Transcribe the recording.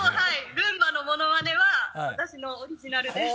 ルンバのものまねは私のオリジナルです。